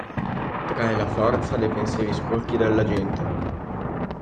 Trae la forza dai pensieri sporchi della gente.